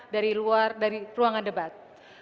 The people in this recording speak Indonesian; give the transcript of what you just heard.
dari luar dari ruangan debat